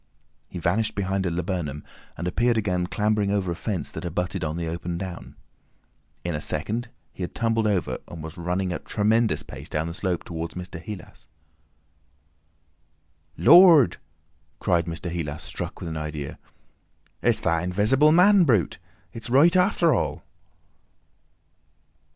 He vanished behind a laburnum, and appeared again clambering over a fence that abutted on the open down. In a second he had tumbled over and was running at a tremendous pace down the slope towards Mr. Heelas. "Lord!" cried Mr. Heelas, struck with an idea; "it's that Invisible Man brute! It's right, after all!"